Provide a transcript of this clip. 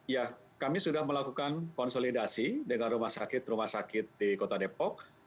ya kami sudah melakukan konsolidasi dengan rumah sakit rumah sakit di kota depok